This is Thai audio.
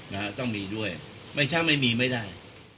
นะฮะต้องมีด้วยไม่ใช่ไม่มีไม่ได้